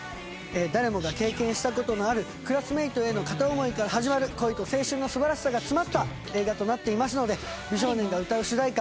誰もが経験した事のあるクラスメートへの片思いから始まる恋と青春の素晴らしさが詰まった映画となっていますので美少年が歌う主題歌